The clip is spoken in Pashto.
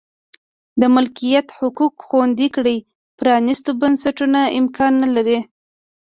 د مالکیت حقوق خوندي کړي پرانیستو بنسټونو امکان نه لري.